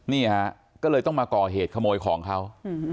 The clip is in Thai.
นี่ฮะก็เลยต้องมาก่อเหตุขโมยของเขา